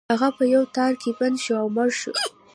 هغه په یو تار کې بنده شوه او مړه شوه.